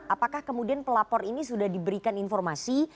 apakah kemudian pelapor ini sudah diberikan informasi